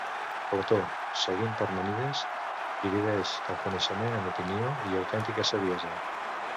Plató, seguint Parmènides, divideix el coneixement en opinió i autèntica saviesa.